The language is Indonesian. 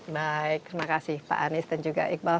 baik terima kasih pak anies dan juga iqbal